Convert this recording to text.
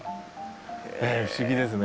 不思議ですね。